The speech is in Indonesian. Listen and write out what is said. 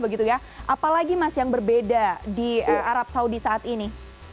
apalagi mas yang berbeda di arab saudi saat ini